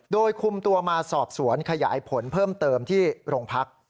โดยคุมตัวมาสอบสวนขยายผลเพิ่มเติมที่โรงพัก